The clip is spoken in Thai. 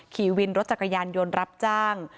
ขี่รถจักรยานยนต์รับจ้าง